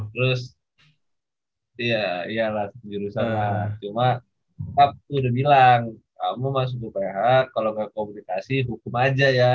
terus iyalah jurusan lah cuma ab udah bilang kamu masuk uphl kalau gak komunikasi hukum aja ya